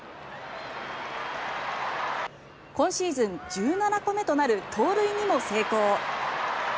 今シーズン１７個目となる盗塁にも成功。